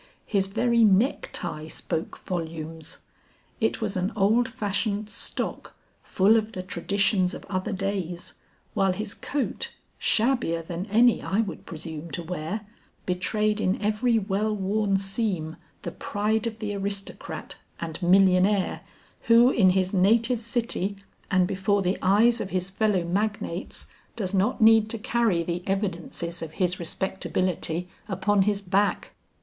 His very necktie spoke volumes. It was an old fashioned stock, full of the traditions of other days, while his coat, shabbier than any I would presume to wear, betrayed in every well worn seam the pride of the aristocrat and millionaire who in his native city and before the eyes of his fellow magnates does not need to carry the evidences of his respectability upon his back.